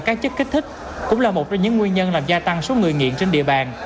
các chất kích thích cũng là một trong những nguyên nhân làm gia tăng số người nghiện trên địa bàn